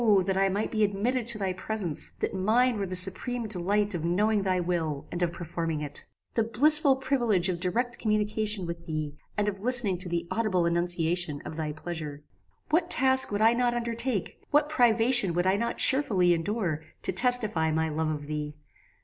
that I might be admitted to thy presence; that mine were the supreme delight of knowing thy will, and of performing it! The blissful privilege of direct communication with thee, and of listening to the audible enunciation of thy pleasure! "What task would I not undertake, what privation would I not cheerfully endure, to testify my love of thee?